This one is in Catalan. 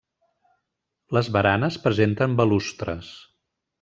Les baranes presenten balustres.